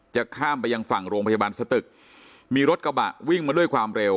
จะข้ามไปยังฝั่งโรงพยาบาลสตึกมีรถกระบะวิ่งมาด้วยความเร็ว